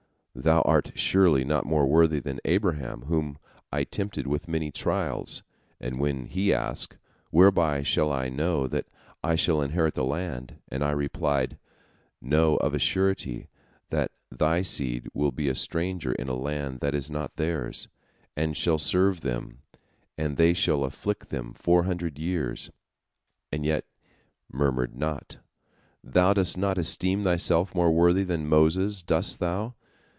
Thou art surely not more worthy than Abraham, whom I tempted with many trials, and when he asked, 'Whereby shall I know that I shall inherit the land?' and I replied, 'Know of a surety that thy seed will be a stranger in a land that is not theirs, and shall serve them; and they shall afflict them four hundred years,' he yet murmured not. Thou dost not esteem thyself more worthy than Moses, dost thou?